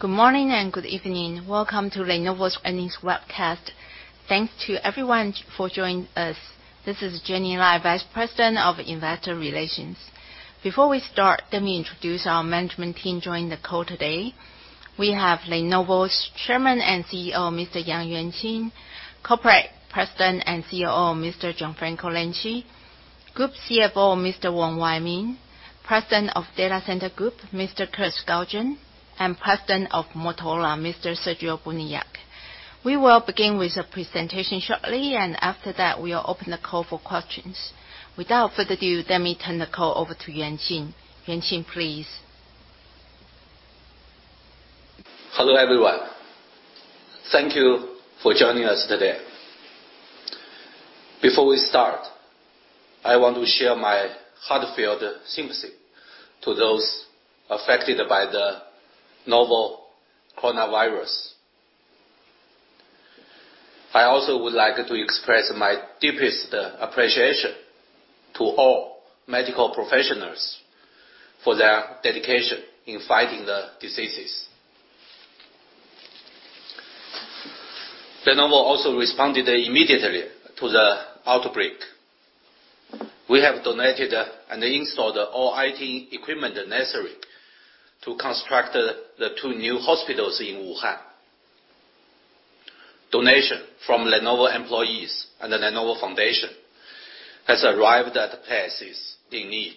Good morning and good evening. Welcome to Lenovo's earnings webcast. Thanks to everyone for joining us. This is Jenny Lai, Vice President of Investor Relations. Before we start, let me introduce our management team joining the call today. We have Lenovo's Chairman and CEO, Mr. Yang, Yuanqing; Corporate President and COO, Mr. Gianfranco Lanci; Group CFO, Mr. Wong, Wai Ming; President of Data Center Group, Mr. Kirk Skaugen; and President of Motorola, Mr. Sergio Buniac. We will begin with a presentation shortly, and after that, we will open the call for questions. Without further ado, let me turn the call over to Yuanqing. Yuanqing, please. Hello, everyone. Thank you for joining us today. Before we start, I want to share my heartfelt sympathy to those affected by the novel coronavirus. I also would like to express my deepest appreciation to all medical professionals for their dedication in fighting the diseases. Lenovo also responded immediately to the outbreak. We have donated and installed all IT equipment necessary to construct the two new hospitals in Wuhan. Donation from Lenovo employees and the Lenovo Foundation has arrived at places in need.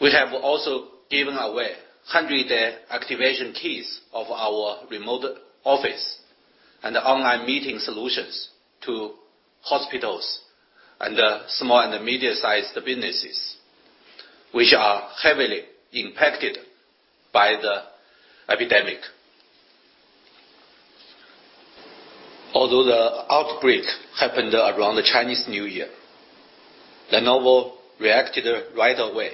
We have also given away 100 activation keys of our remote office and online meeting solutions to hospitals and small and intermediate-sized businesses, which are heavily impacted by the epidemic. Although the outbreak happened around the Chinese New Year, Lenovo reacted right away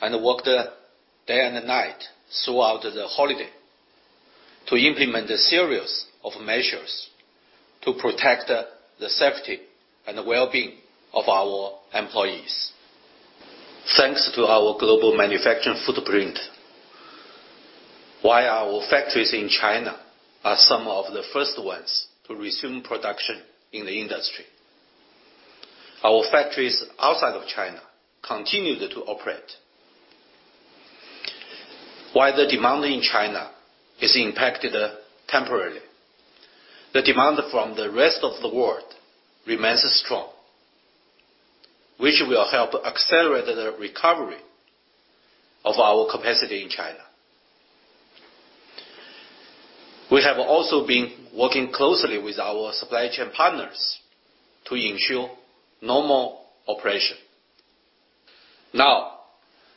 and worked day and night throughout the holiday to implement a series of measures to protect the safety and the well-being of our employees. Thanks to our global manufacturing footprint, while our factories in China are some of the first ones to resume production in the industry, our factories outside of China continued to operate. While the demand in China is impacted temporarily, the demand from the rest of the world remains strong, which will help accelerate the recovery of our capacity in China. We have also been working closely with our supply chain partners to ensure normal operation.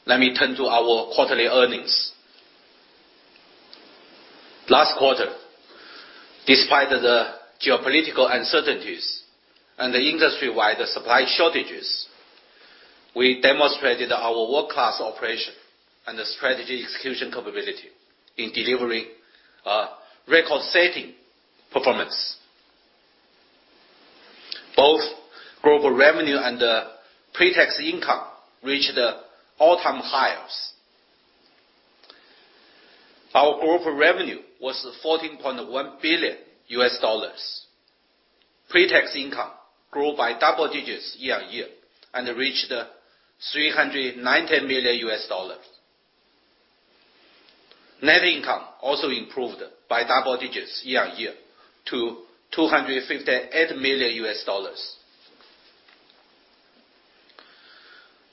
Let me turn to our quarterly earnings. Last quarter, despite the geopolitical uncertainties and the industry-wide supply shortages, we demonstrated our world-class operation and the strategy execution capability in delivering a record-setting performance. Both global revenue and pre-tax income reached all-time highs. Our global revenue was $14.1 billion. Pre-tax income grew by double digits year-on-year and reached $390 million. Net income also improved by double digits year-on-year to $258 million.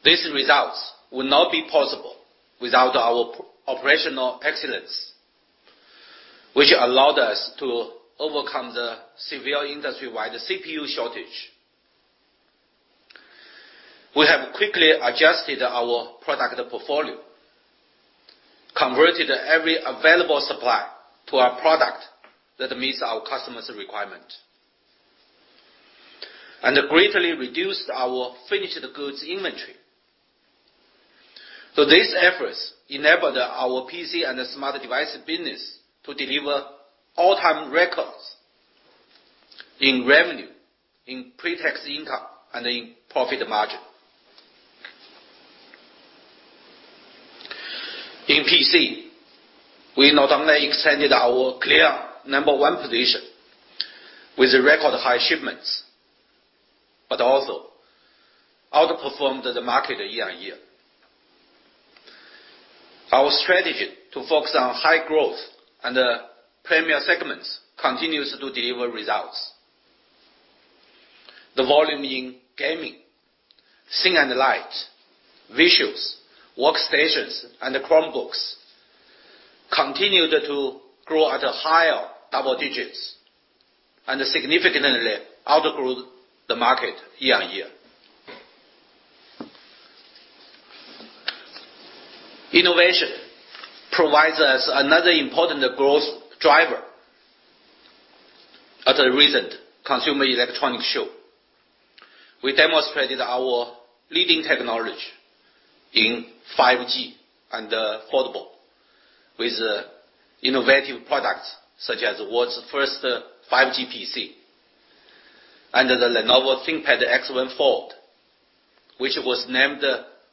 These results would not be possible without our operational excellence, which allowed us to overcome the severe industry-wide CPU shortage. We have quickly adjusted our product portfolio, converted every available supply to a product that meets our customer's requirement, and greatly reduced our finished goods inventory. These efforts enabled our PC and smart device business to deliver all-time records in revenue, in pre-tax income, and in profit margin. In PC, we not only extended our clear number one position with record-high shipments, but also outperformed the market year-over-year. Our strategy to focus on high growth and premier segments continues to deliver results. The volume in gaming, thin and light, Visuals, workstations, and Chromebooks continued to grow at a higher double digits and significantly outgrew the market year-over-year. Innovation provides us another important growth driver. At a recent Consumer Electronics Show, we demonstrated our leading technology in 5G and foldable with innovative products such as the world's first 5G PC. The Lenovo ThinkPad X1 Fold, which was named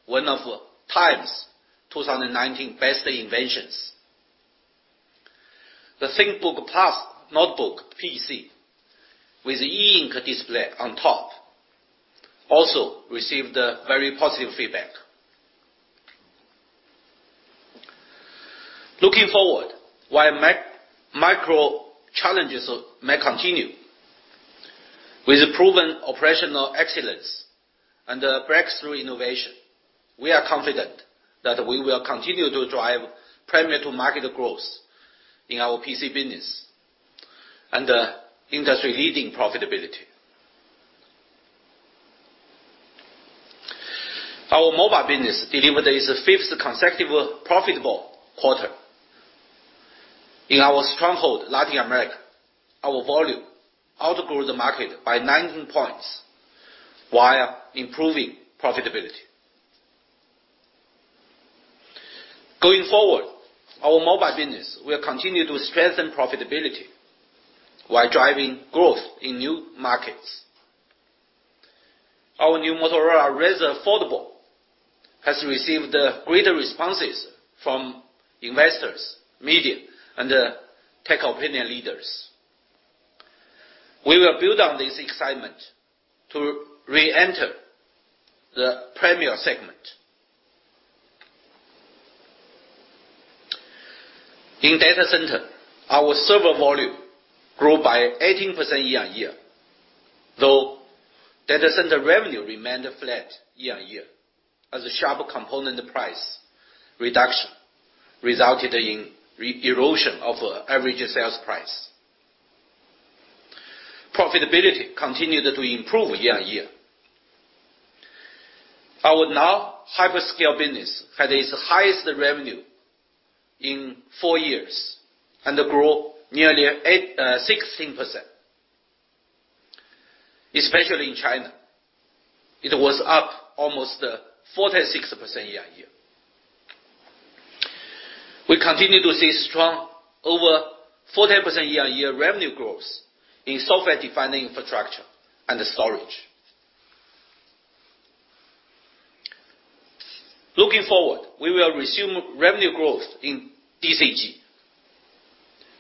one of TIME's 2019 Best Inventions. The ThinkBook Plus notebook PC with E Ink display on top also received very positive feedback. Looking forward, while micro challenges may continue, with proven operational excellence and breakthrough innovation, we are confident that we will continue to drive premier to market growth in our PC business and industry-leading profitability. Our mobile business delivered its fifth consecutive profitable quarter. In our stronghold, Latin America, our volume outgrew the market by 19 points while improving profitability. Going forward, our mobile business will continue to strengthen profitability while driving growth in new markets. Our new Motorola Razr foldable has received great responses from investors, media, and tech opinion leaders. We will build on this excitement to re-enter the premier segment. In data center, our server volume grew by 18% year-on-year. Data center revenue remained flat year-on-year as a sharp component price reduction resulted in erosion of average sales price. Profitability continued to improve year-on-year. Our non-hyperscale business had its highest revenue in four years, and grew nearly 16%, especially in China. It was up almost 46% year-on-year. We continue to see strong over 40% year-on-year revenue growth in software-defined infrastructure and storage. Looking forward, we will resume revenue growth in DCG.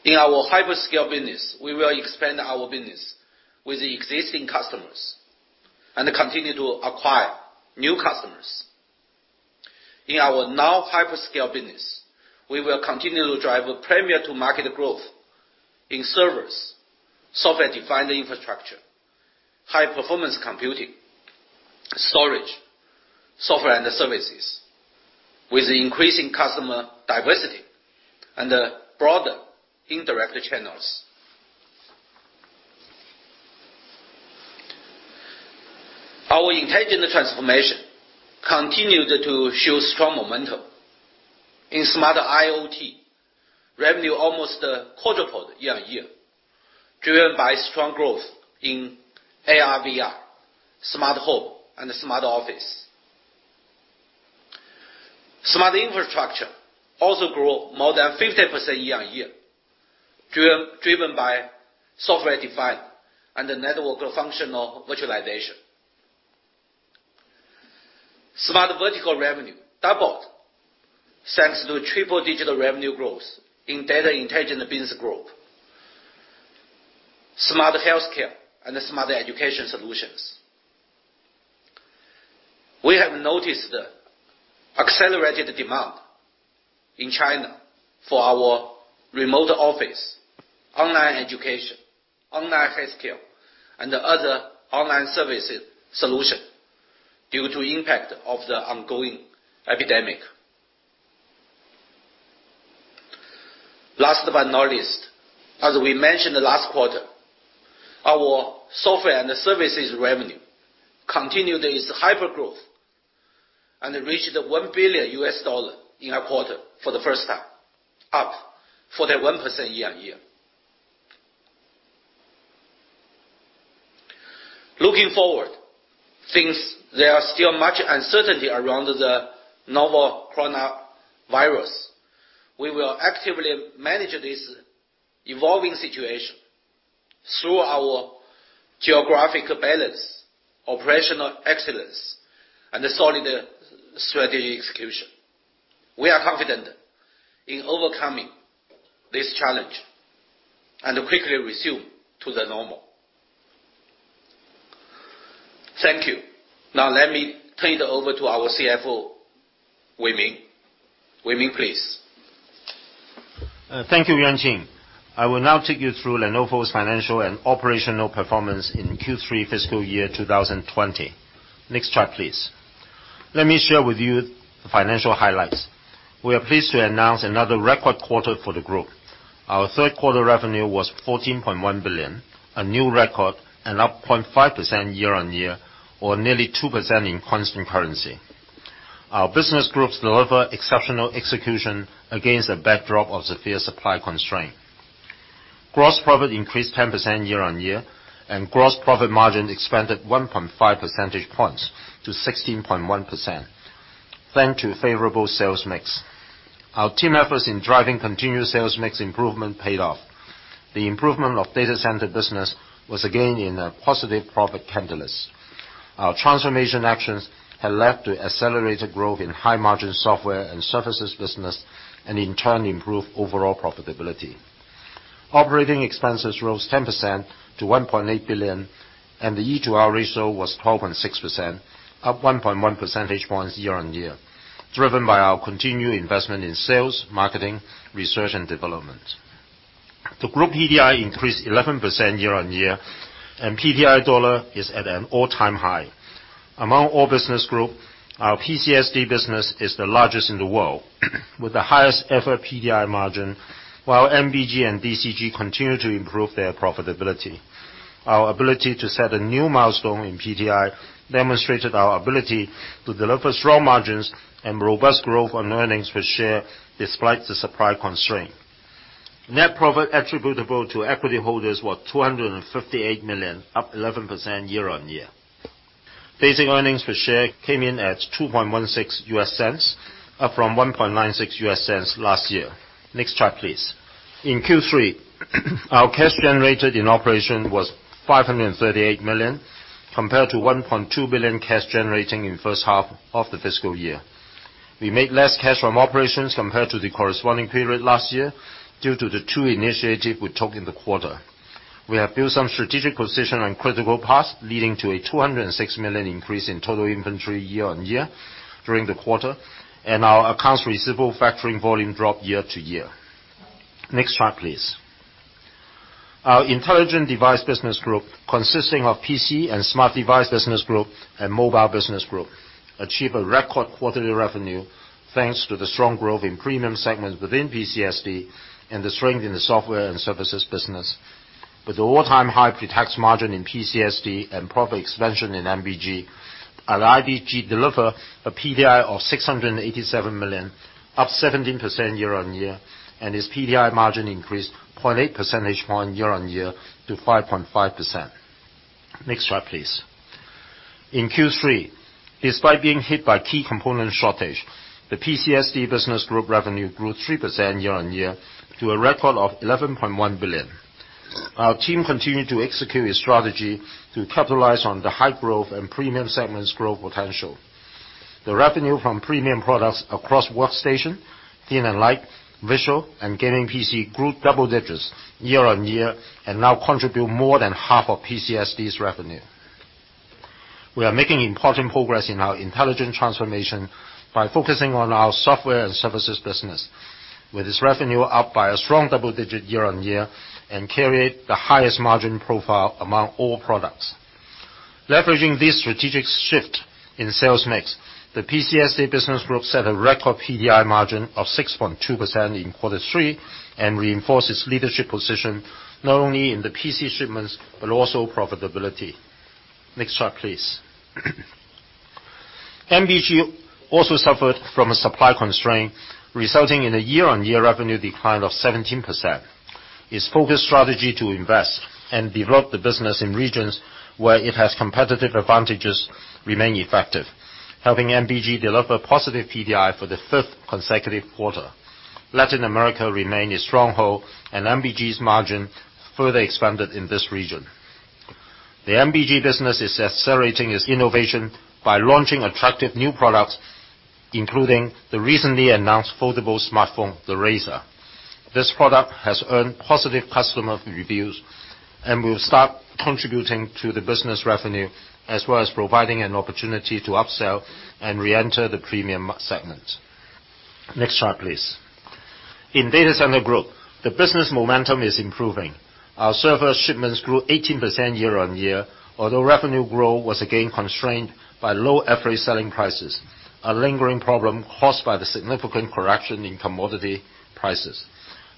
In our hyperscale business, we will expand our business with existing customers and continue to acquire new customers. In our non-hyperscale business, we will continue to drive a premier to market growth in servers, software-defined infrastructure, high-performance computing, storage, software and services with increasing customer diversity and broader indirect channels. Our intelligent transformation continued to show strong momentum. In smart IoT, revenue almost quadrupled year-on-year, driven by strong growth in AR/VR, smart home and smart office. Smart infrastructure also grew more than 50% year-on-year, driven by software-defined and network functional virtualization. Smart vertical revenue doubled, thanks to triple-digit revenue growth in data intelligent business growth, smart healthcare and smart education solutions. We have noticed accelerated demand in China for our remote office, online education, online healthcare, and other online services solution due to impact of the ongoing epidemic. Last but not least, as we mentioned last quarter, our software and services revenue continued its hypergrowth and reached $1 billion in a quarter for the first time, up 41% year-on-year. Looking forward, since there are still much uncertainty around the novel coronavirus, we will actively manage this evolving situation through our geographic balance, operational excellence, and solid strategy execution. We are confident in overcoming this challenge and quickly resume to the normal. Thank you. Now let me turn it over to our CFO, Wai Ming. Wai Ming, please. Thank you, Yuanqing. I will now take you through Lenovo's financial and operational performance in Q3 fiscal year 2020. Next chart, please. Let me share with you the financial highlights. We are pleased to announce another record quarter for the group. Our third quarter revenue was $14.1 billion, a new record, and up 0.5% year-on-year or nearly 2% in constant currency. Our business groups deliver exceptional execution against a backdrop of severe supply constraint. Gross profit increased 10% year-on-year, and gross profit margin expanded 1.5 percentage points to 16.1%. Thanks to favorable sales mix. Our team efforts in driving continuous sales mix improvement paid off. The improvement of data center business was again in a positive profit catalyst. Our transformation actions have led to accelerated growth in high-margin software and services business, and in turn improve overall profitability. Operating expenses rose 10% to $1.8 billion, and the E2R ratio was 12.6%, up 1.1 percentage points year-on-year, driven by our continued investment in sales, marketing, research and development. The group PDI increased 11% year-on-year, and PDI dollar is at an all-time high. Among all business group, our PCSD business is the largest in the world, with the highest ever PDI margin, while MBG and DCG continue to improve their profitability. Our ability to set a new milestone in PDI demonstrated our ability to deliver strong margins and robust growth on earnings per share, despite the supply constraint. Net profit attributable to equity holders was $258 million, up 11% year-on-year. Basic earnings per share came in at $0.0216, up from $0.0196 last year. Next chart, please. In Q3, our cash generated in operation was $538 million, compared to $1.2 billion cash generating in first half of the fiscal year. We made less cash from operations compared to the corresponding period last year, due to the two initiatives we took in the quarter. We have built some strategic position on critical paths, leading to a $206 million increase in total inventory year-on-year during the quarter, and our accounts receivable factoring volume dropped year-to-year. Next chart, please. Our Intelligent Device Business Group, consisting of PC and Smart Device Business Group and Mobile Business Group, achieved a record quarterly revenue, thanks to the strong growth in premium segments within PCSD and the strength in the software and services business. With the all-time high pre-tax margin in PCSD and profit expansion in MBG, our IDG deliver a PDI of $687 million, up 17% year-on-year, and its PDI margin increased 0.8 percentage point year-on-year to 5.5%. Next chart, please. In Q3, despite being hit by key component shortage, the PCSD business group revenue grew 3% year-on-year to a record of $11.1 billion. Our team continued to execute its strategy to capitalize on the high growth and premium segments growth potential. The revenue from premium products across workstation, thin and light, Visuals, and gaming PC grew double digits year-on-year and now contribute more than half of PCSD's revenue. We are making important progress in our intelligent transformation by focusing on our software and services business. With its revenue up by a strong double digit year-on-year and carry the highest margin profile among all products. Leveraging this strategic shift in sales mix, the PCSD business group set a record PDI margin of 6.2% in quarter three and reinforce its leadership position, not only in the PC shipments, but also profitability. Next chart, please. MBG also suffered from a supply constraint, resulting in a year-on-year revenue decline of 17%. Its focus strategy to invest and develop the business in regions where it has competitive advantages remain effective, helping MBG deliver positive PDI for the fifth consecutive quarter. Latin America remain a stronghold, and MBG's margin further expanded in this region. The MBG business is accelerating its innovation by launching attractive new products, including the recently announced foldable smartphone, the Razr. This product has earned positive customer reviews and will start contributing to the business revenue, as well as providing an opportunity to upsell and re-enter the premium segment. Next chart, please. In Data Center Group, the business momentum is improving. Our server shipments grew 18% year-on-year, although revenue growth was again constrained by low average selling prices, a lingering problem caused by the significant correction in commodity prices.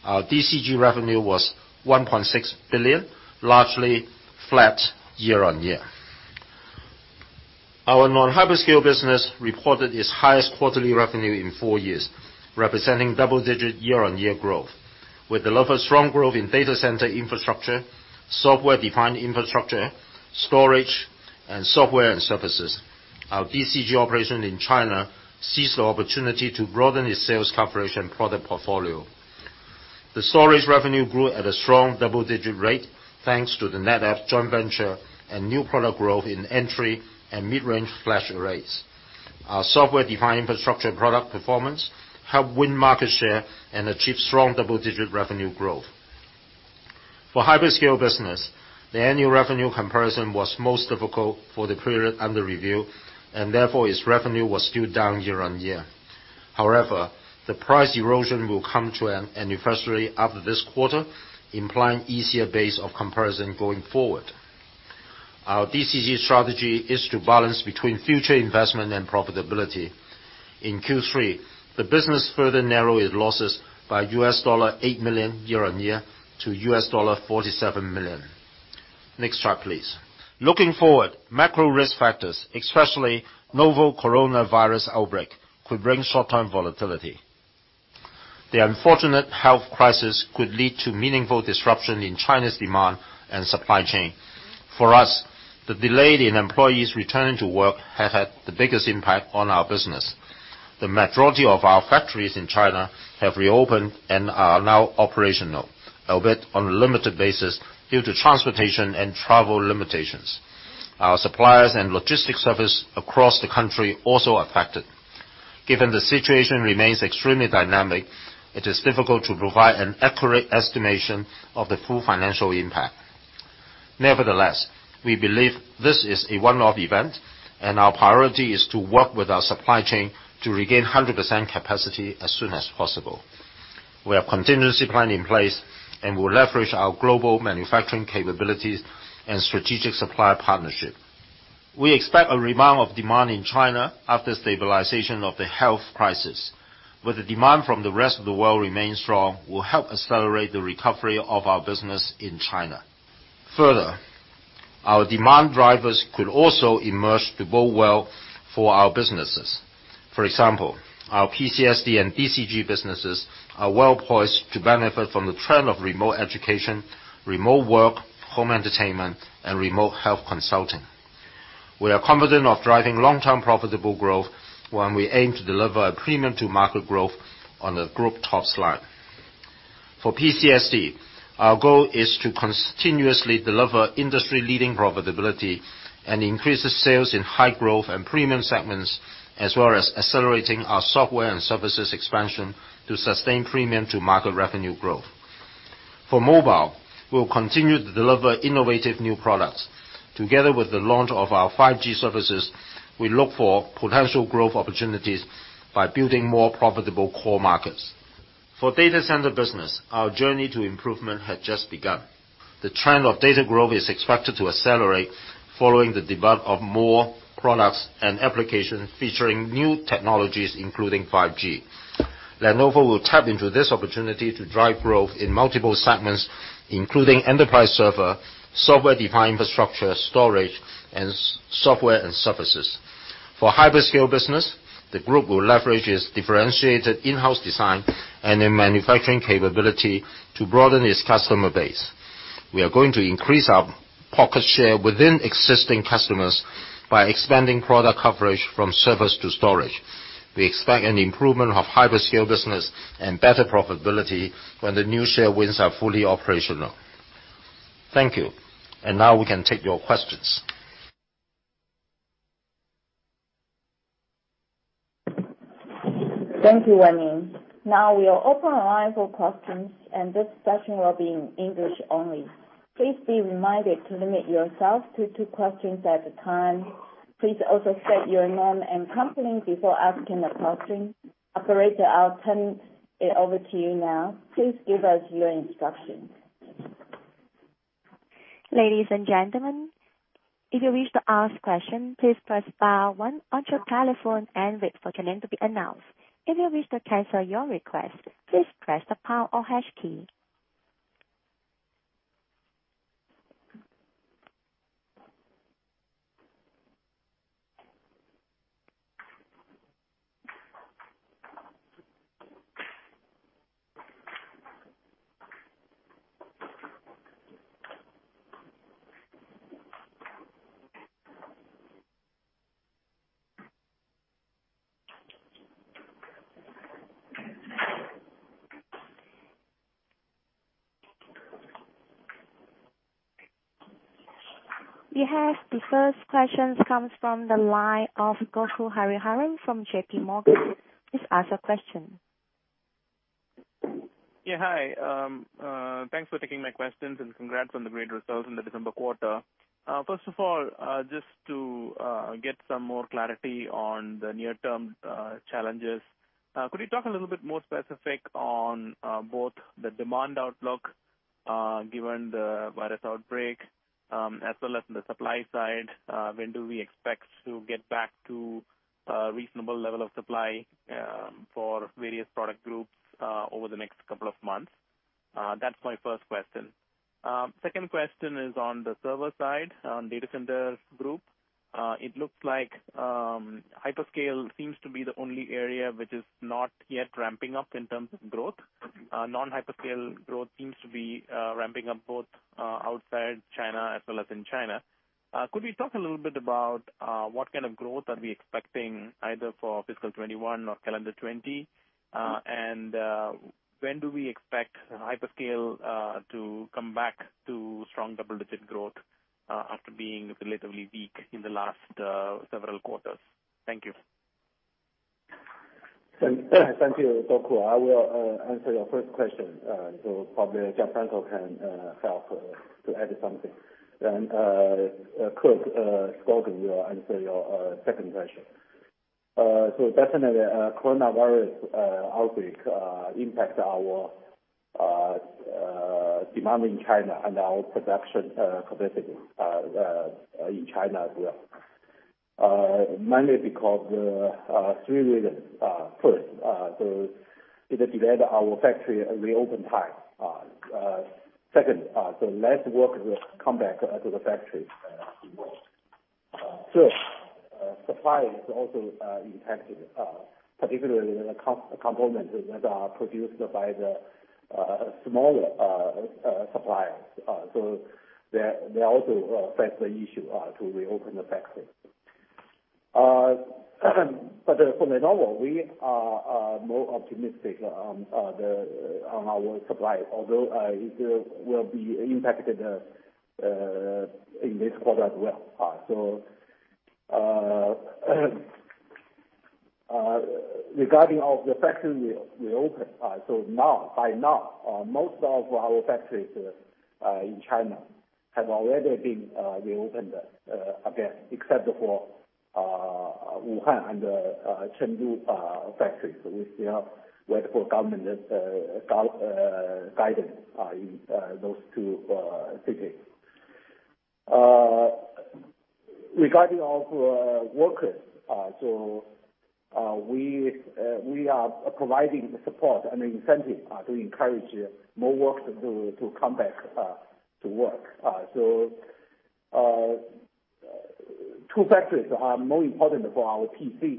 Our DCG revenue was $1.6 billion, largely flat year-on-year. Our non-hyperscale business reported its highest quarterly revenue in four years, representing double-digit year-on-year growth. We delivered strong growth in data center infrastructure, software-defined infrastructure, storage, and software and services. Our DCG operation in China seized the opportunity to broaden its sales coverage and product portfolio. The storage revenue grew at a strong double-digit rate, thanks to the NetApp joint venture and new product growth in entry and mid-range flash arrays. Our software-defined infrastructure product performance helped win market share and achieve strong double-digit revenue growth. For hyperscale business, the annual revenue comparison was most difficult for the period under review, therefore, its revenue was still down year-on-year. However, the price erosion will come to an anniversary after this quarter, implying easier base of comparison going forward. Our DCG strategy is to balance between future investment and profitability. In Q3, the business further narrow its losses by $8 million year-on-year to $47 million. Next chart, please. Looking forward, macro risk factors, especially novel coronavirus outbreak, could bring short-term volatility. The unfortunate health crisis could lead to meaningful disruption in China's demand and supply chain. For us, the delay in employees returning to work has had the biggest impact on our business. The majority of our factories in China have reopened and are now operational, albeit on a limited basis due to transportation and travel limitations. Our suppliers and logistics service across the country also affected. Given the situation remains extremely dynamic, it is difficult to provide an accurate estimation of the full financial impact. Nevertheless, we believe this is a one-off event, and our priority is to work with our supply chain to regain 100% capacity as soon as possible. We have contingency plan in place and will leverage our global manufacturing capabilities and strategic supplier partnership. We expect a rebound of demand in China after stabilization of the health crisis. With the demand from the rest of the world remaining strong, will help accelerate the recovery of our business in China. Our demand drivers could also emerge to bode well for our businesses. For example, our PCSD and DCG businesses are well-poised to benefit from the trend of remote education, remote work, home entertainment, and remote health consulting. We are confident of driving long-term profitable growth when we aim to deliver a premium to market growth on the group top line. For PCSD, our goal is to continuously deliver industry-leading profitability and increase the sales in high growth and premium segments, as well as accelerating our software and services expansion to sustain premium to market revenue growth. For mobile, we'll continue to deliver innovative new products. Together with the launch of our 5G services, we look for potential growth opportunities by building more profitable core markets. For data center business, our journey to improvement has just begun. The trend of data growth is expected to accelerate following the development of more products and applications featuring new technologies, including 5G. Lenovo will tap into this opportunity to drive growth in multiple segments, including enterprise server, software-defined infrastructure, storage, and software and services. For hyperscale business, the Group will leverage its differentiated in-house design and their manufacturing capability to broaden its customer base. We are going to increase our pocket share within existing customers by expanding product coverage from service to storage. We expect an improvement of hyperscale business and better profitability when the new share wins are fully operational. Thank you. Now we can take your questions. Thank you, Wai Ming. Now we are open line for questions, and this session will be in English only. Please be reminded to limit yourself to two questions at a time. Please also state your name and company before asking a question. Operator, I'll turn it over to you now. Please give us your instructions. Ladies and gentlemen, if you wish to ask a question, please press star one on your telephone and wait for your name to be announced. If you wish to cancel your request, please press the pound or hash key. We have the first question comes from the line of Gokul Hariharan from JPMorgan. Please ask your question. Yeah. Hi. Thanks for taking my questions, and congrats on the great results in the December quarter. First of all, just to get some more clarity on the near-term challenges. Could you talk a little bit more specific on both the demand outlook, given the virus outbreak, as well as the supply side? When do we expect to get back to a reasonable level of supply for various product groups, over the next couple of months? That's my first question. Second question is on the server side, on Data Center Group. It looks like hyperscale seems to be the only area which is not yet ramping up in terms of growth. Non-hyperscale growth seems to be ramping up both outside China as well as in China. Could we talk a little bit about what kind of growth are we expecting either for fiscal 2021 or calendar 2020? When do we expect hyperscale to come back to strong double-digit growth after being relatively weak in the last several quarters? Thank you. Thank you, Gokul. I will answer your first question. Probably Gianfranco can help to add something. Kirk will answer your second question. Definitely, coronavirus outbreak impacts our demand in China and our production capacity in China as well. Mainly because of three reasons. First, it has delayed our factory reopen time. Second, less workers come back to the factory as well. Suppliers also impacted, particularly the components that are produced by the smaller suppliers. They also face the issue to reopen the factories. For Lenovo, we are more optimistic on our supply, although it will be impacted in this quarter as well. Regarding the factories reopen, by now, most of our factories in China have already been reopened again, except for Wuhan and Chengdu factories. We still wait for government guidance in those two cities. Regarding our workers, we are providing the support and incentive to encourage more workers to come back to work. Two factories are more important for our PC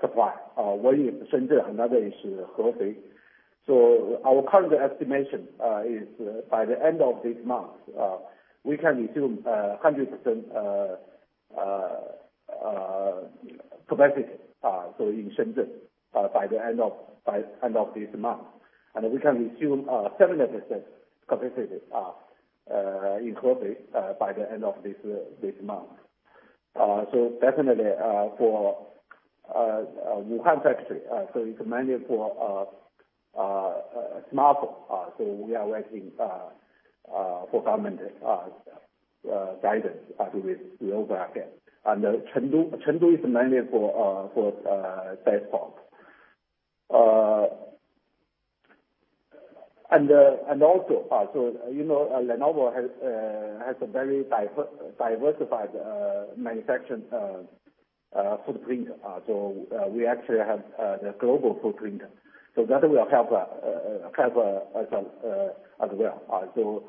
supply. One in Shenzhen, another is Hefei. Our current estimation is by the end of this month, we can resume 100% capacity in Shenzhen by the end of this month. We can resume 70% capacity in Hefei by the end of this month. Definitely for Wuhan factory, it's mainly for smartphone, we are waiting for government guidance to reopen again. Chengdu is mainly for desktops. Lenovo has a very diversified manufacturing footprint. We actually have the global footprint, that will help us as well.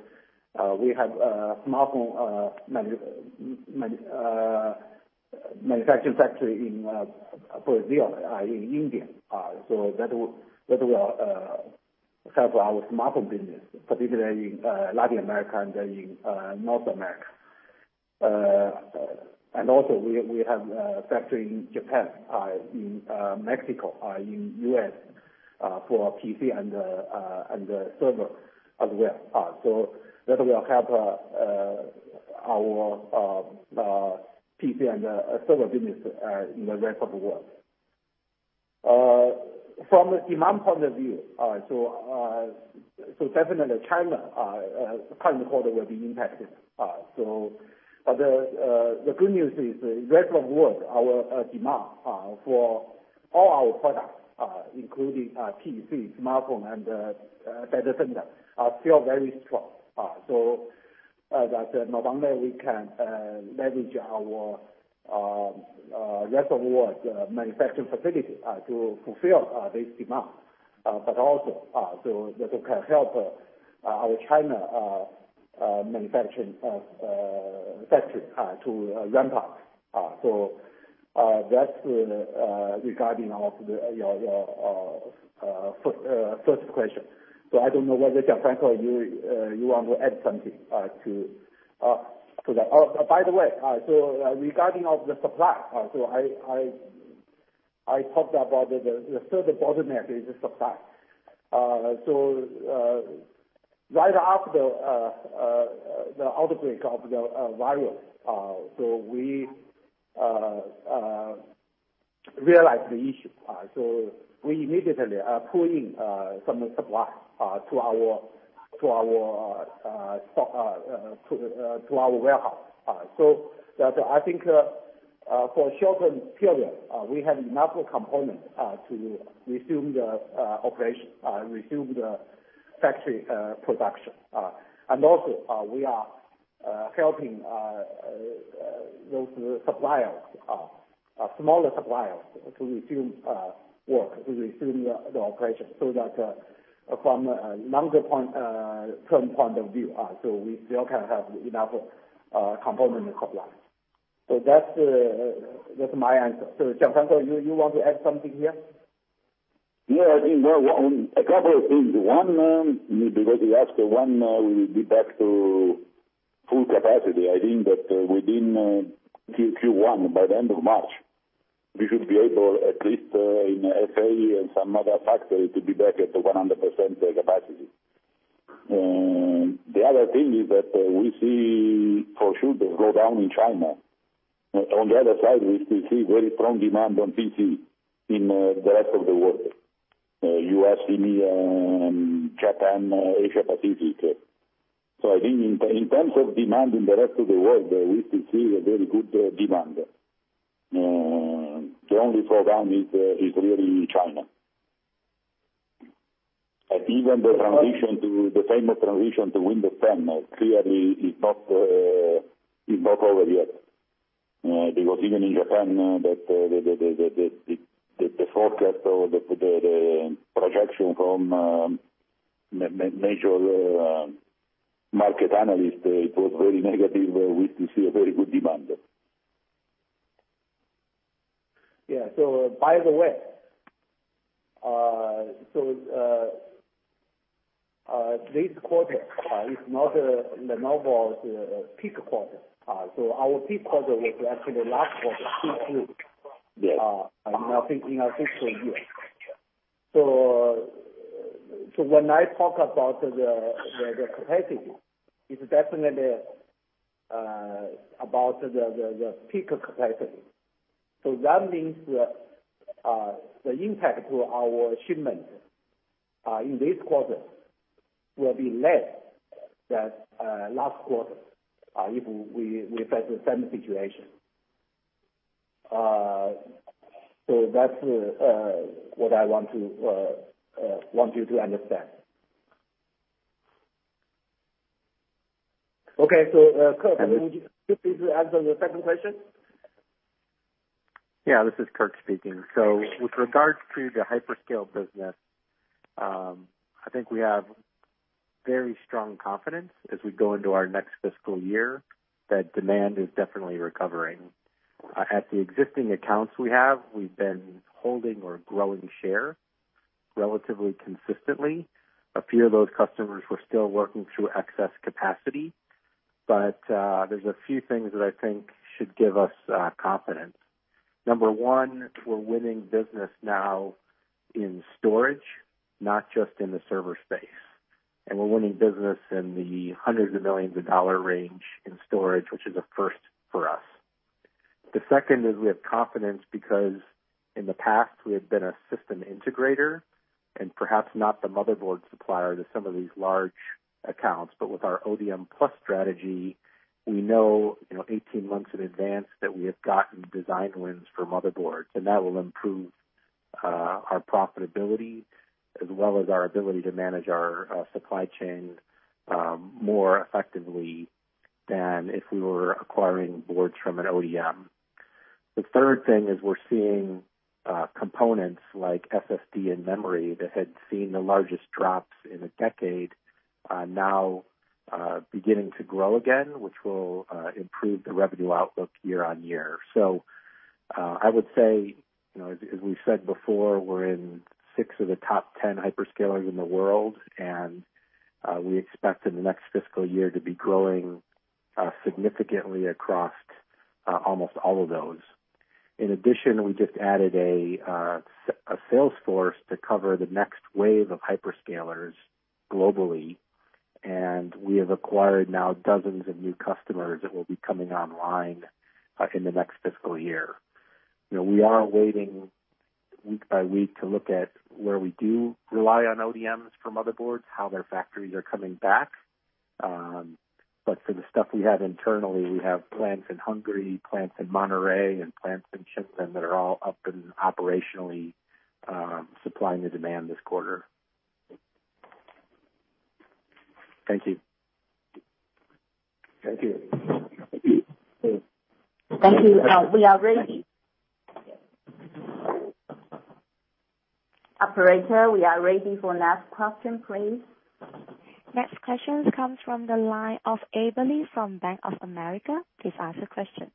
We have a smartphone manufacturing factory in Brazil and India. That will help our smartphone business, particularly in Latin America and in North America. We have a factory in Japan, in Mexico, in U.S. for PC and server as well. That will help our PC and server business in the rest of the world. From a demand point of view, definitely China current quarter will be impacted. The good news is the rest of world, our demand for all our products, including PC, smartphone, and data center, are still very strong. That not only we can leverage our rest of world manufacturing facility to fulfill this demand, but also that can help our China manufacturing factories to ramp up. That's regarding your first question. I don't know whether Gianfranco, you want to add something to that. Oh, by the way, regarding the supply, I talked about the third bottleneck is the supply. Right after the outbreak of the virus, we realized the issue. We immediately pull in some supply to our warehouse. I think for a shorter period, we have enough components to resume the operation, resume the factory production. Also, we are helping those suppliers, our smaller suppliers to resume work, to resume the operation so that from a longer term point of view, so we still can have enough component supply. That's my answer. Gianfranco, you want to add something here? I think a couple of things. One, because you asked when we will be back to full capacity. I think that within Q1, by the end of March, we should be able, at least in SA and some other factories, to be back at 100% capacity. The other thing is that we see for sure the slowdown in China. We still see very strong demand on PC in the rest of the world. U.S., EMEA, Japan, Asia Pacific. I think in terms of demand in the rest of the world, we still see a very good demand. The only problem is really China. Even the transition to Windows 10. They were saying in Japan that the forecast or that the projection from major market analysts was very negative. We see a very good demand. Yeah. By the way, this quarter is not the normal peak quarter. Our peak quarter was actually last quarter, Q2- Yes. in our fiscal year. When I talk about the capacity, it's definitely about the peak capacity. That means the impact to our shipment in this quarter will be less than last quarter, if we face the same situation. That's what I want you to understand. Okay. Kirk, would you please answer the second question? Yeah. This is Kirk speaking. With regards to the hyperscale business, I think we have very strong confidence as we go into our next fiscal year that demand is definitely recovering. At the existing accounts we have, we've been holding or growing share relatively consistently. A few of those customers were still working through excess capacity, but there's a few things that I think should give us confidence. Number one, we're winning business now in storage, not just in the server space. We're winning business in the hundreds of millions of dollar range in storage, which is a first for us. The second is we have confidence because in the past, we have been a system integrator and perhaps not the motherboard supplier to some of these large accounts. With our ODM+ strategy, we know 18 months in advance that we have gotten design wins for motherboards, and that will improve our profitability as well as our ability to manage our supply chain more effectively than if we were acquiring boards from an ODM. The third thing is we're seeing components like SSD and memory that had seen the largest drops in a decade, now beginning to grow again, which will improve the revenue outlook year-on-year. I would say, as we said before, we're in six of the top 10 hyperscalers in the world, and we expect in the next fiscal year to be growing significantly across almost all of those. We just added a sales force to cover the next wave of hyperscalers globally, and we have acquired now dozens of new customers that will be coming online in the next fiscal year. We are waiting week by week to look at where we do rely on ODMs for motherboards, how their factories are coming back. For the stuff we have internally, we have plants in Hungary, plants in Monterrey, and plants in Shenzhen that are all up and operationally supplying the demand this quarter. Thank you. Thank you. Thank you. We are ready. Operator, we are ready for last question, please. Next question comes from the line of [Abely] from Bank of America. Please ask the question.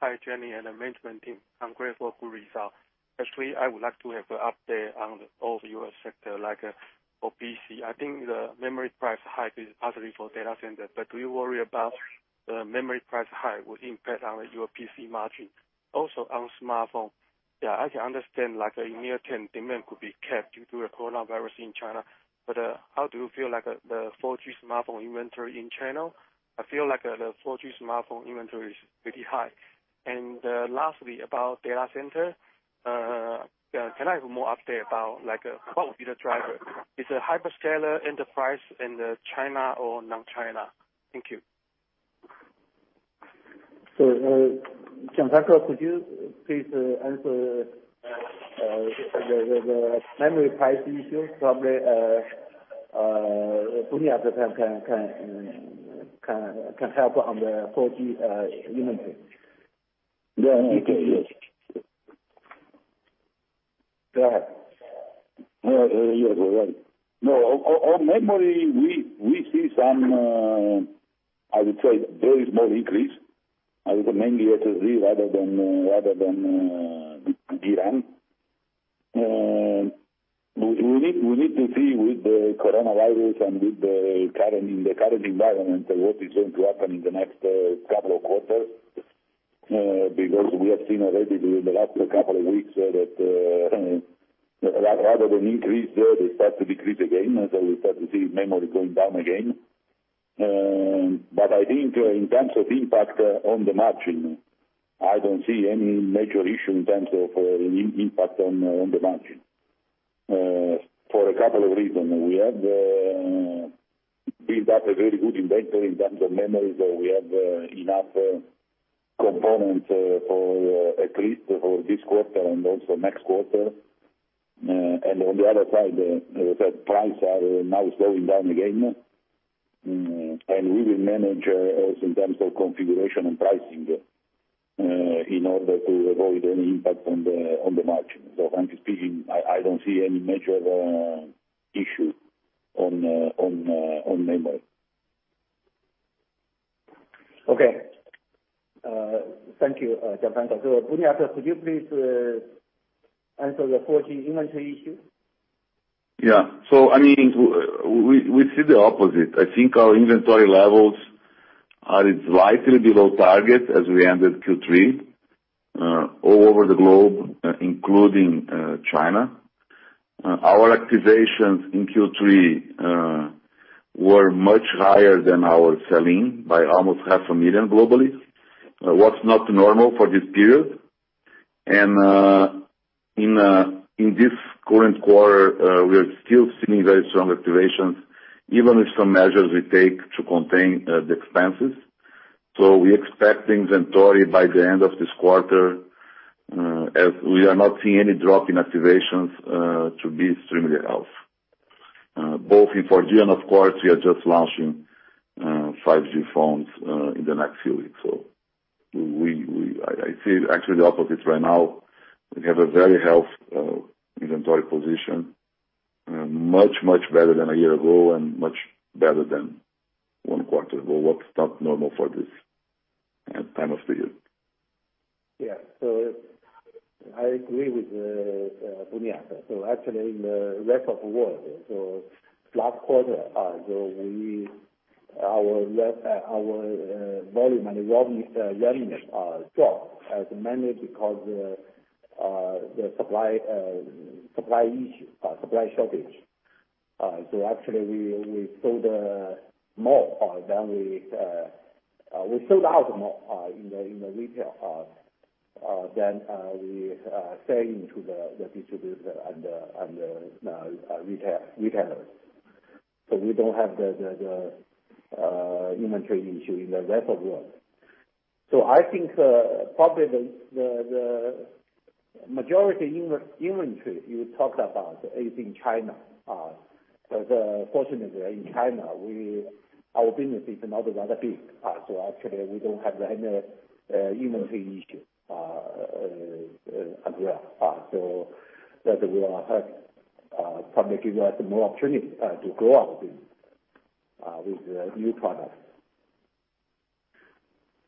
Hi, Jenny and management team. Congratulate for good result. Actually, I would like to have an update on all the U.S. sector, like for PC. I think the memory price hike is positive for Data Center. Do you worry about the memory price hike will impact on your PC margin? Also on smartphone. I can understand, like in near term, demand could be kept due to a novel coronavirus in China. How do you feel like the 4G smartphone inventory in China? I feel like the 4G smartphone inventory is pretty high. Lastly, about Data Center. Can I have more update about like what would be the driver? Is it hyperscaler enterprise in China or non-China? Thank you. Gianfranco, could you please answer the memory price issue? Probably, Buniac can help on the 4G inventory. Yeah. I can, yes. Go ahead. Yes. You're right. No. On memory, we see some, I would say very small increase. It is mainly SSD rather than DRAM. We need to see with the novel coronavirus and in the current environment, what is going to happen in the next couple of quarters, because we have seen already during the last couple of weeks that rather than increase, they start to decrease again. We start to see memory going down again. I think in terms of impact on the margin, I don't see any major issue in terms of impact on the margin. For a couple of reasons. We have built up a very good inventory in terms of memory, so we have enough- Component for at least this quarter and also next quarter. On the other side, the prices are now slowing down again. We will manage also in terms of configuration and pricing in order to avoid any impact on the margin. Frankly speaking, I don't see any major issue on memory. Okay. Thank you, Gianfranco. Buniac, could you please answer the 4G inventory issue? Yeah. We see the opposite. I think our inventory levels are slightly below target as we ended Q3 all over the globe, including China. Our activations in Q3 were much higher than our selling by almost half a million globally. What's not normal for this period, and in this current quarter, we are still seeing very strong activations, even with some measures we take to contain the expenses. We expect inventory by the end of this quarter, as we are not seeing any drop in activations, to be extremely healthy. Both in 4G and of course, we are just launching 5G phones in the next few weeks. I see actually the opposite right now. We have a very healthy inventory position, much, much better than a year ago and much better than one quarter ago. What's not normal for this time of the year. Yeah. I agree with Buniac. Actually, in the rest of world, last quarter, our volume and revenue dropped as many because the supply shortage. Actually, we sold out more in the retail than we are selling to the distributor and the retailers. We don't have the inventory issue in the rest of world. I think probably the majority inventory you talked about is in China. But fortunately, in China, our business is not rather big. Actually, we don't have any inventory issue there. That will probably give us more opportunity to grow our business with new products.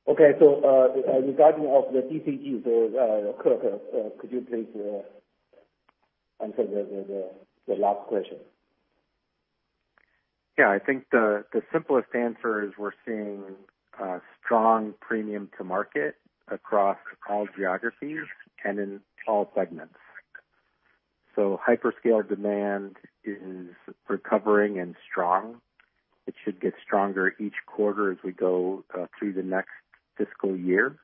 Okay, regarding of the DCG, Kirk, could you please answer the last question? I think the simplest answer is we're seeing a strong premium to market across all geographies and in all segments. Hyperscale demand is recovering and strong. It should get stronger each quarter as we go through the next fiscal year.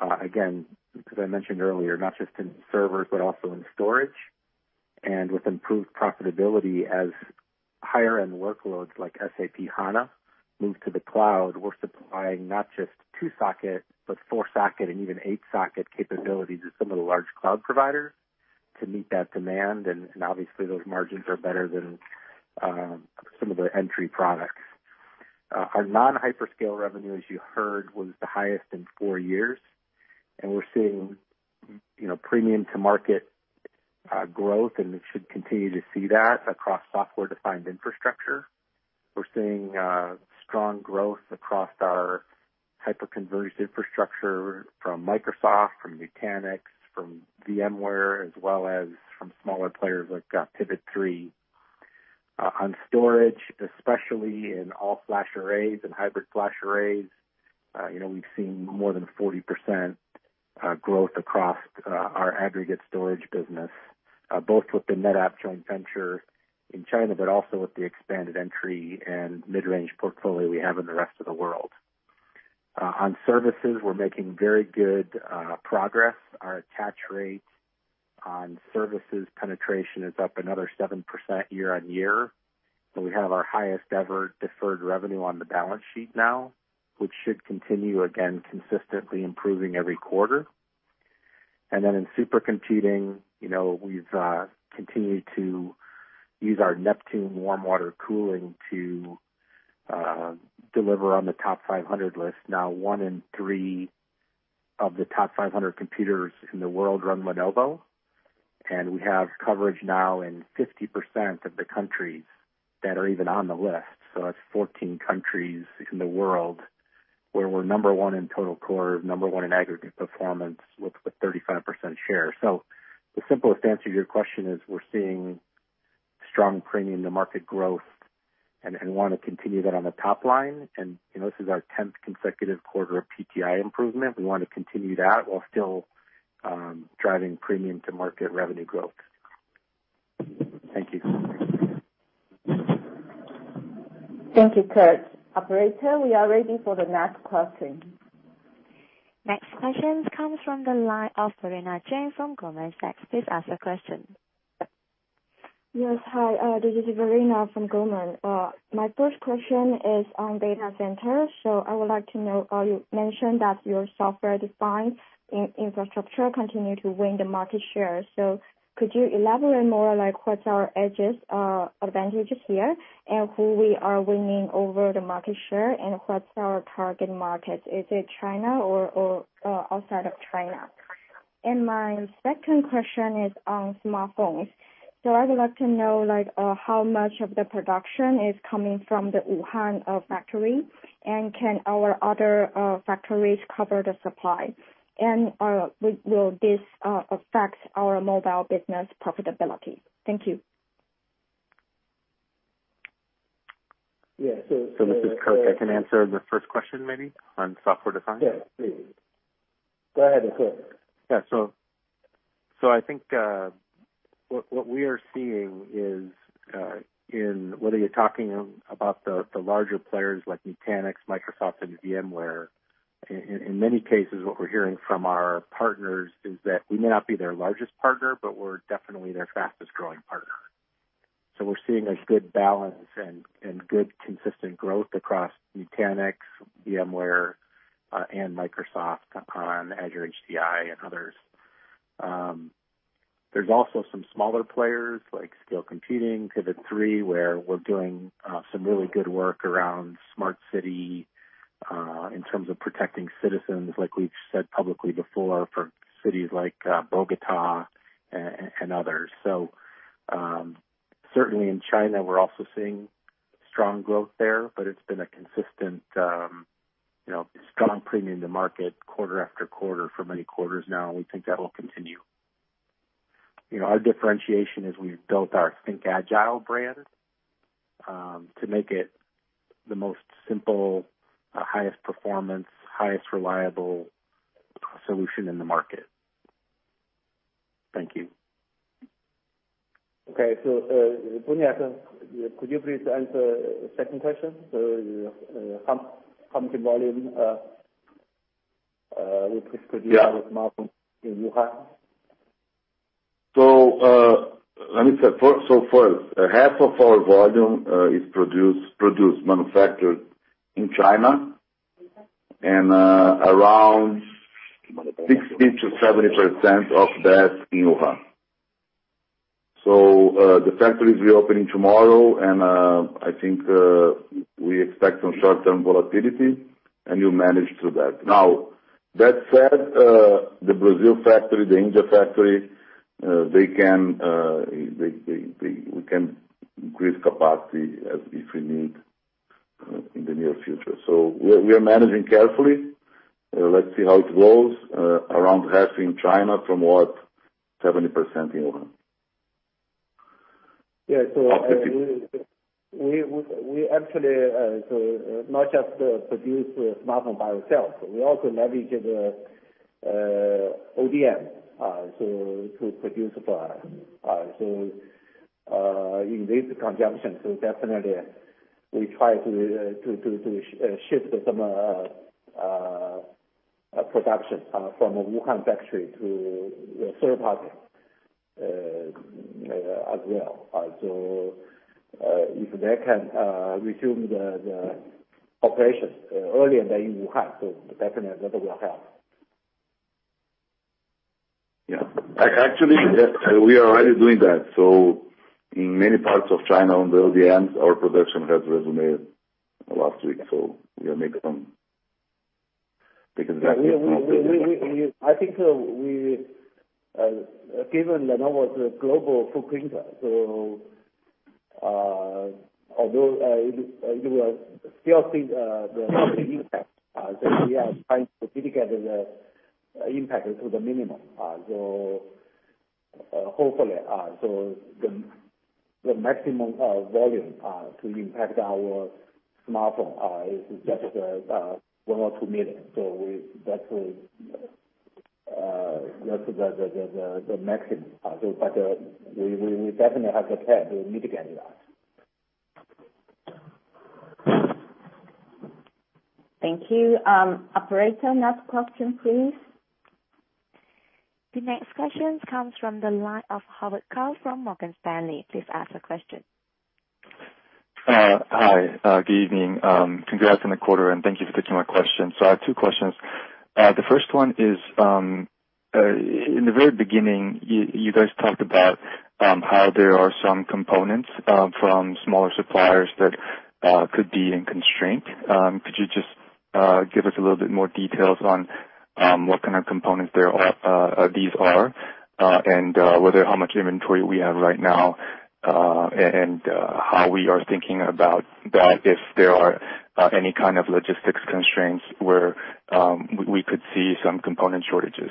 Again, as I mentioned earlier, not just in servers, but also in storage, and with improved profitability as higher-end workloads like SAP HANA move to the cloud. We're supplying not just 2-socket, but 4-socket and even 8-socket capabilities to some of the large cloud providers to meet that demand, and obviously, those margins are better than some of the entry products. Our non-hyperscale revenue, as you heard, was the highest in four years, and we're seeing premium to market growth, and it should continue to see that across software-defined infrastructure. We're seeing strong growth across our hyper-converged infrastructure from Microsoft, from Nutanix, from VMware, as well as from smaller players like Pivot3. On storage, especially in all-flash arrays and hybrid flash arrays, we've seen more than 40% growth across our aggregate storage business, both with the NetApp joint venture in China, also with the expanded entry and mid-range portfolio we have in the rest of the world. On services, we're making very good progress. Our attach rate on services penetration is up another 7% year-over-year. We have our highest-ever deferred revenue on the balance sheet now, which should continue, again, consistently improving every quarter. In supercomputing, we've continued to use our Neptune warm water cooling to deliver on the TOP500 list. One in three of the TOP500 computers in the world run Lenovo, and we have coverage now in 50% of the countries that are even on the list. That's 14 countries in the world where we're number one in total core, number one in aggregate performance with a 35% share. The simplest answer to your question is we're seeing strong premium to market growth and want to continue that on the top line, and this is our tenth consecutive quarter of PTI improvement. We want to continue that while still driving premium to market revenue growth. Thank you. Thank you, Kirk. Operator, we are ready for the next question. Next question comes from the line of Verena Jeng from Goldman Sachs. Please ask your question. Yes. Hi, this is Verena from Goldman. My first question is on data centers. I would like to know, you mentioned that your software-defined infrastructure continue to win the market share. Could you elaborate more, like what are edges, advantages here, and who we are winning over the market share, and what's our target market? Is it China or outside of China? My second question is on smartphones. I would like to know how much of the production is coming from the Wuhan factory, and can our other factories cover the supply? Will this affect our mobile business profitability? Thank you. Yeah. This is Kirk. I can answer the first question maybe, on software design. Yeah, please. Go ahead, Kirk. I think what we are seeing is, in whether you're talking about the larger players like Nutanix, Microsoft, and VMware, in many cases, what we're hearing from our partners is that we may not be their largest partner, but we're definitely their fastest-growing partner. We're seeing a good balance and good consistent growth across Nutanix, VMware, and Microsoft on Azure HCI, and others. There's also some smaller players like Scale Computing, Pivot3, where we're doing some really good work around smart city, in terms of protecting citizens, like we've said publicly before for cities like Bogotá and others. Certainly in China, we're also seeing strong growth there, but it's been a consistent, strong premium to market quarter after quarter for many quarters now, and we think that will continue. Our differentiation is we've built our ThinkAgile brand, to make it the most simple, highest performance, highest reliable solution in the market. Thank you. Okay. Buniac, could you please answer second question? How much volume, which is produced- Yeah. by smartphone in Wuhan? Let me check. First, half of our volume is produced, manufactured in China and around 60% to 70% of that in Wuhan. The factory's reopening tomorrow, and, I think, we expect some short-term volatility, and we'll manage through that. Now, that said, the Brazil factory, the India factory, we can increase capacity as if we need in the near future. We are managing carefully. Let's see how it goes, around half in China from what, 70% in Wuhan. We actually, not just produce smartphone by ourselves, we also leverage the ODM to produce for us. In this conjunction, definitely we try to shift some production from Wuhan factory to third party as well. If they can resume the operations earlier than in Wuhan, definitely that will help. Yeah. Actually, we are already doing that. In many parts of China on the ODMs, our production has resumed last week. I think, given Lenovo is a global footprint, although, we will still see the impact, but we are trying to mitigate the impact to the minimum. Hopefully, the maximum volume to impact our smartphone is just 1 million or 2 million. That's the maximum. We definitely have the plan to mitigate that. Thank you. Operator, next question, please. The next question comes from the line of Howard Kao from Morgan Stanley. Please ask the question. Hi. Good evening. Congrats on the quarter, thank you for taking my question. I have two questions. The first one is, in the very beginning, you guys talked about how there are some components from smaller suppliers that could be in constraint. Could you just give us a little bit more details on what kind of components these are, and whether how much inventory we have right now, and how we are thinking about that if there are any kind of logistics constraints where we could see some component shortages.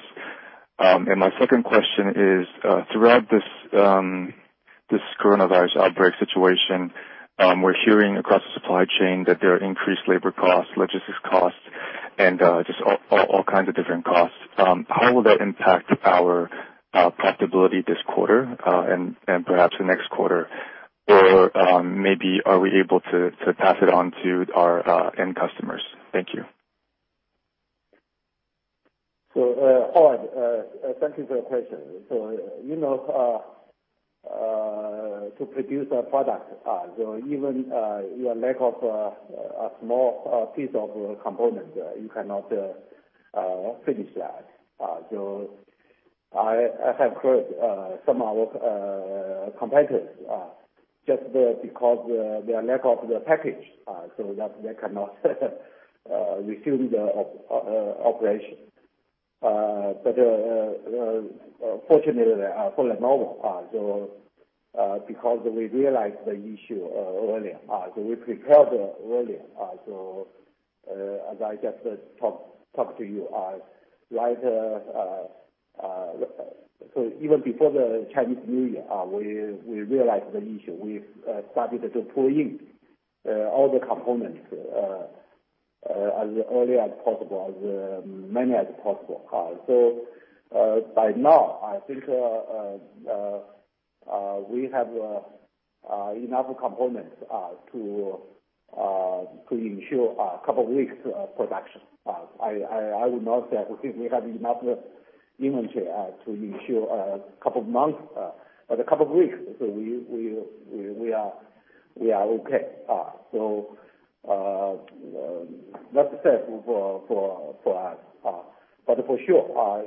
My second question is, throughout this novel coronavirus outbreak situation, we're hearing across the supply chain that there are increased labor costs, logistics costs, and just all kinds of different costs. How will that impact our profitability this quarter, and perhaps the next quarter? Maybe are we able to pass it on to our end customers? Thank you. Howard, thank you for your question. To produce a product, even you are lack of a small piece of component, you cannot finish that. I have heard some of our competitors, just because they are lack of the package, so they cannot resume their operation. Fortunately for Lenovo, because we realized the issue earlier, so we prepared earlier. As I just talked to you, so even before the Chinese New Year, we realized the issue. We started to pull in all the components as early as possible, as many as possible. By now, I think we have enough components to ensure a couple weeks of production. I would not say I think we have enough inventory to ensure a couple of months, but a couple of weeks. We are okay. That's it for us. For sure,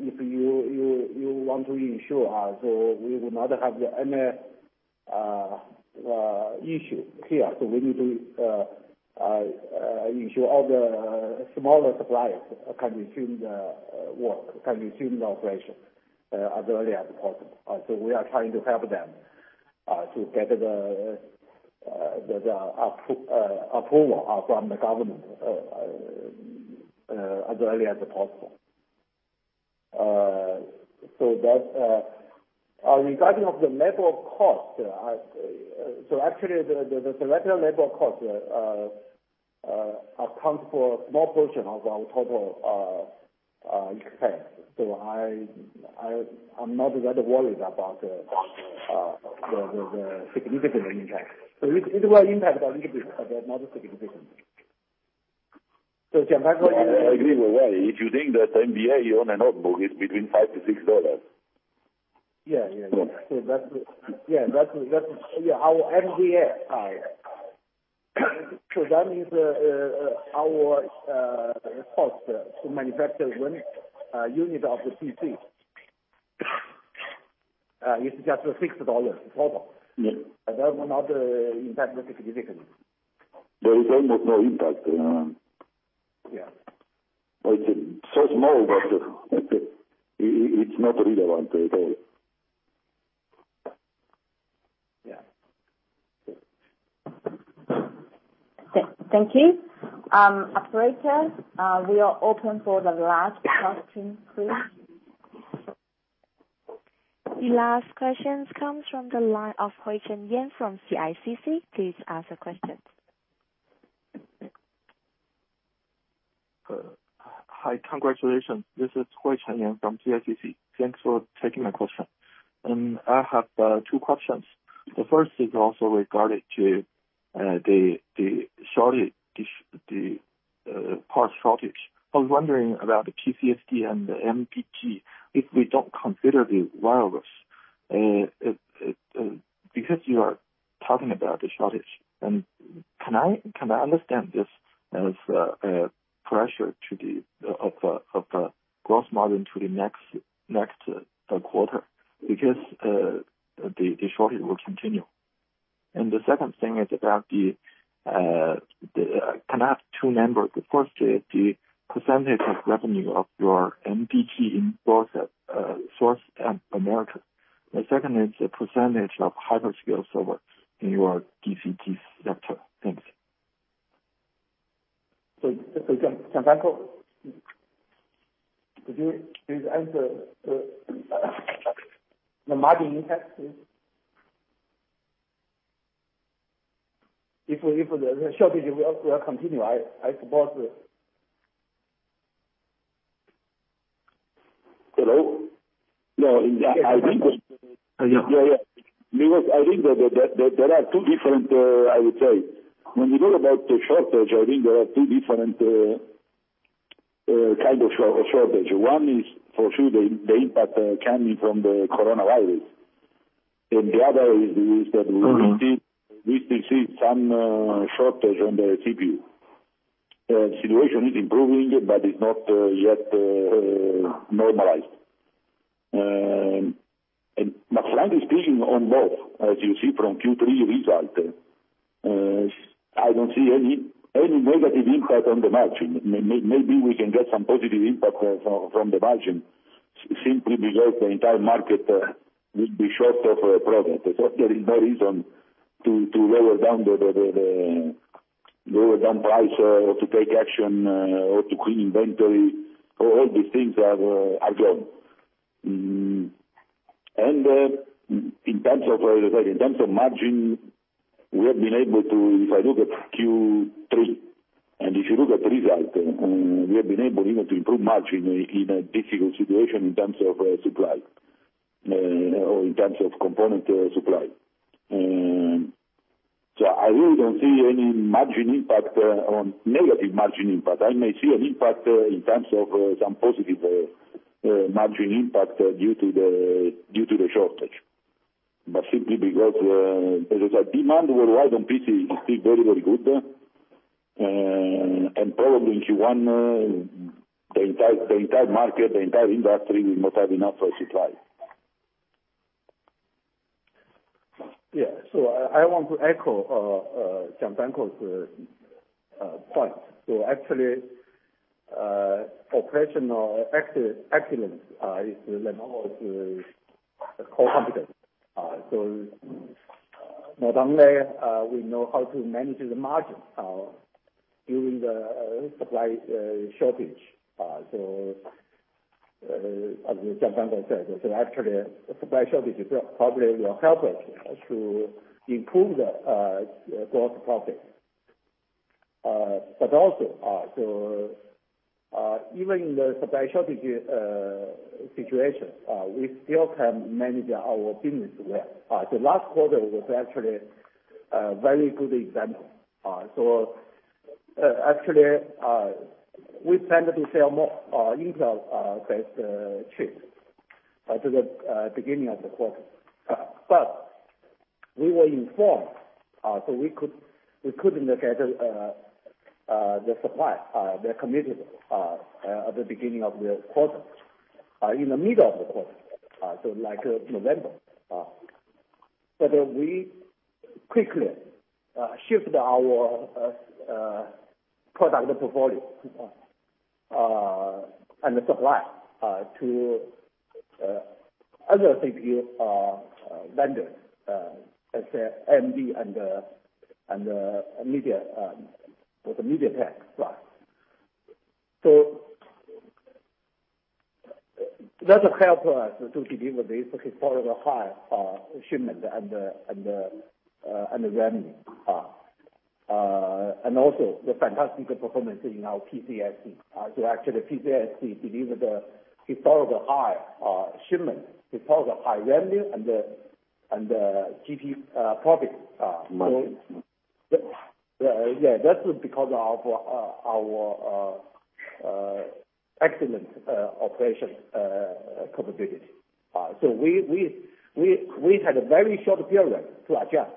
if you want to ensure we will not have any issue here, we need to ensure all the smaller suppliers can resume the work, can resume the operation as early as possible. We are trying to help them, to get the approval from the government as early as possible. Regarding of the labor cost, actually, the direct labor cost accounts for small portion of our total expense. I'm not that worried about the significant impact. It will impact our individual, but not significant. Gianfranco. I agree with Yuanqing. If you think that MVA, you own a notebook, it's between $5-$6. That's it. Yeah. Our MVA. That means our cost to manufacture one unit of the PC is just $6 total. Yeah. That will not impact significantly. There is almost no impact. Yeah. It's so small that it's not relevant at all. Yeah. Thank you. Operator, we are open for the last question, please. The last questions comes from the line of [Hoi Chenyan] from CICC. Please ask the question. Hi. Congratulations. This is [Hoi Chenyan] from CICC. Thanks for taking my question. I have two questions. The first is also regarding to the part shortage. I was wondering about the PCSD and the MBG if we don't consider the virus. You are talking about the shortage, and can I understand this as a pressure of the gross margin to the next quarter? The shortage will continue. The second thing is about the Can I have two numbers? The first is the percentage of revenue of your MBG in both SA and America. The second is the percentage of hyperscale servers in your DCG sector. Thanks. Gianfranco, could you please answer the margin impact please? If the shortage will continue, I suppose. Hello? No, I think. Yeah. Yeah. Because when you talk about the shortage, I think there are two different kind of shortage. One is for sure the impact coming from the novel coronavirus, and the other is that. We still see some shortage on the CPU. The situation is improving, but it's not yet normalized. Frankly speaking, on both, as you see from Q3 result, I don't see any negative impact on the margin. Maybe we can get some positive impact from the margin simply because the entire market will be short of product. There is no reason to lower down price or to take action, or to clean inventory. All these things are gone. In terms of margin, we have been able to, if I look at Q3, and if you look at result, we have been able even to improve margin in a difficult situation in terms of supply or in terms of component supply. I really don't see any negative margin impact. I may see an impact in terms of some positive margin impact due to the shortage. Simply because, as I said, demand worldwide on PC is still very good. Probably in Q1, the entire market, the entire industry will not have enough supply. Yeah. I want to echo Gianfranco's points. Actually, operational excellence is Lenovo's core competence. Not only we know how to manage the margins during the supply shortage. As Gianfranco said, actually, supply shortage probably will help us to improve the gross profit. Also, even in the supply shortage situation, we still can manage our business well. The last quarter was actually a very good example. Actually, we planned to sell more Intel-based chips at the beginning of the quarter. We were informed, we couldn't get the supply they committed at the beginning of the quarter, in the middle of the quarter, like November. We quickly shift our product portfolio and the supply to other CPU vendors, AMD and the MediaTek supply. That will help us to deliver the historically high shipment and the revenue. Also the fantastic performance in our PCSD. Actually, PCSD delivered a historically high shipment, historically high revenue and GP profit. Margins. Yeah. That's because of our excellent operation capability. We had a very short period to adjust,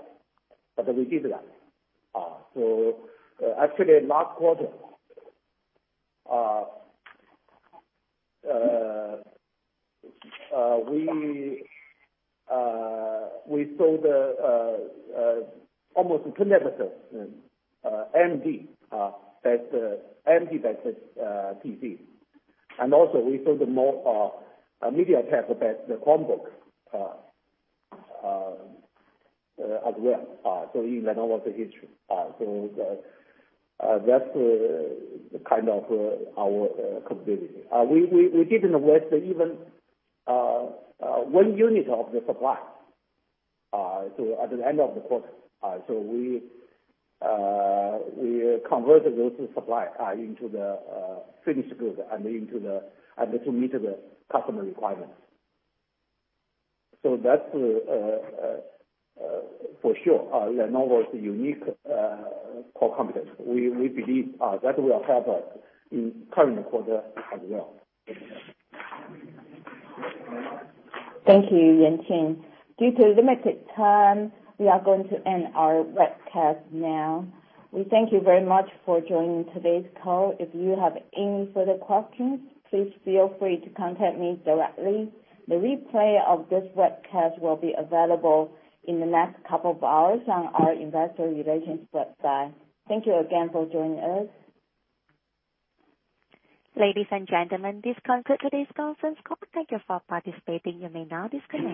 but we did that. Actually, last quarter, we sold almost competitively AMD-based PC. Also we sold more MediaTek-based Chromebooks as well. That's kind of our capability. We didn't waste even one unit of the supply at the end of the quarter. We converted those supply into the finished good and to meet the customer requirements. That's for sure Lenovo's unique core competence. We believe that will help us in current quarter as well. Thank you, Yuanqing. Due to limited time, we are going to end our webcast now. We thank you very much for joining today's call. If you have any further questions, please feel free to contact me directly. The replay of this webcast will be available in the next couple of hours on our investor relations website. Thank you again for joining us. Ladies and gentlemen, this concludes today's conference call. Thank you for participating. You may now disconnect.